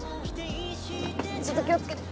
ちょっと気を付けて。